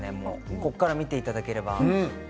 ここから見ていただければ。